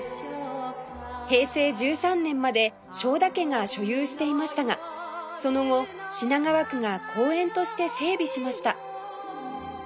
平成１３年まで正田家が所有していましたがその後品川区が公園として整備しました